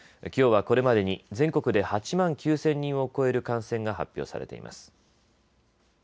きょうはこれまでに全国で８万９０００人を超える感染が発表されています。